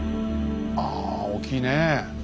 ああ大きいねえ。